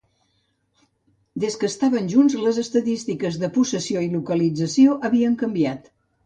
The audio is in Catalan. Des que estaven junts les estadístiques de possessió i localització havien canviat.